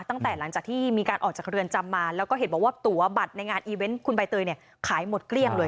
หลังจากที่มีการออกจากเรือนจำมาแล้วก็เห็นบอกว่าตัวบัตรในงานอีเวนต์คุณใบเตยเนี่ยขายหมดเกลี้ยงเลย